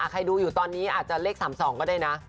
ใครดูอยู่ตอนนี้อาจจะเลข๓๒ก็ได้นะ